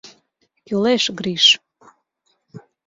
— Кӱлеш, Гриш.